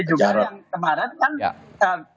juga yang ke barat kan